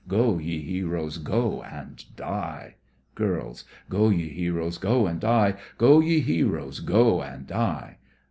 Go, ye heroes, go and die! GIRLS: Go, ye heroes, go and die! Go, ye heroes, go and die!